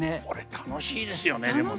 楽しいですね。